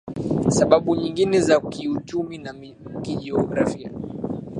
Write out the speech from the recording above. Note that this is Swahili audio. sababu nyingine za kiuchumi na kijiografia